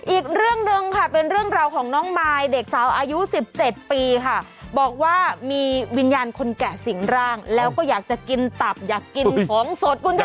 อีกเรื่องหนึ่งค่ะเป็นเรื่องราวของน้องมายเด็กสาวอายุ๑๗ปีค่ะบอกว่ามีวิญญาณคนแกะสิ่งร่างแล้วก็อยากจะกินตับอยากกินของสดคุณชนะ